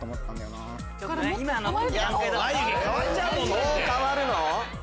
そう変わるの？